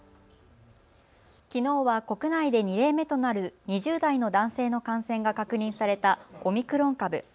きのうは国内で２例目となる２０代の男性の感染が確認されたオミクロン株。